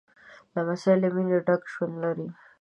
لمسی له مینې ډک ژوند لري.